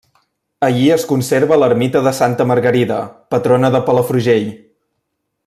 Allí es conserva l'ermita de Santa Margarida, patrona de Palafrugell.